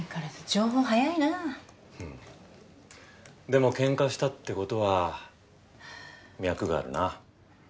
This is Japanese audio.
でもケンカしたってことは脈があるな。